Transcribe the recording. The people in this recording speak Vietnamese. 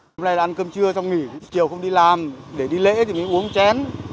hôm nay là ăn cơm trưa xong nghỉ chiều không đi làm để đi lễ thì mình uống chén